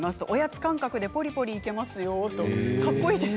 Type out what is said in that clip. おやつ感覚でポリポリいけますよ。